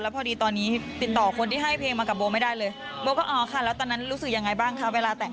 พอดีตอนนี้ติดต่อคนที่ให้เพลงมากับโบไม่ได้เลยโบก็อ๋อค่ะแล้วตอนนั้นรู้สึกยังไงบ้างคะเวลาแต่ง